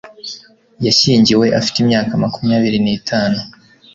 Yashyingiwe afite imyaka makumyabiri n'itanu